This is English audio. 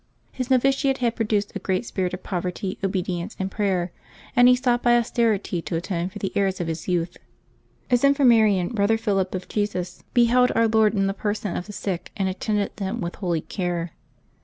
His novitiate had produced a great spirit of poverty, obedience, and prayer, and he sought by austerity to atone for the errors of his youth. As infirmarian, Brother Philip of Jesus beheld 393 394 LIVES OF THE SAINTS Our Lord in the person of the sick and attended them with holy care.